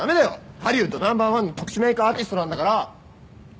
ハリウッドナンバー１の特殊メイクアーティストなんだから。